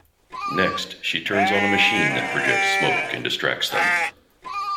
Next, she turns on a machine that projects smoke and distracts them.